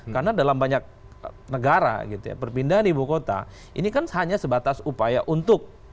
karena dalam banyak negara perpindahan ibu kota ini kan hanya sebatas upaya untuk